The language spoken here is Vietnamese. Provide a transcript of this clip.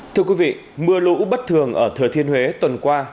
thưa quý vị mưa lũ bất thường ở thừa thiên huế tuần qua